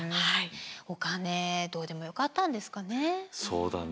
お金どうでもよかったんですかね。